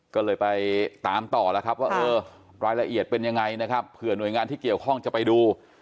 ก็เลยไปตามต่อแล้วครับว่าเออรายละเอียดเป็นยังไงนะครับเผื่อหน่วยงานที่เกี่ยวข้องจะไปดู